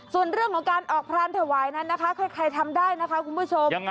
ส่วนเรื่องของการออกพรานถวายนั้นนะคะใครทำได้นะคะคุณผู้ชม